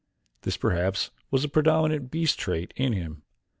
This perhaps was the predominant beast trait in him.